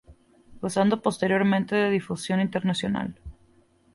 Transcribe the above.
Gozando posteriormente de difusión internacional.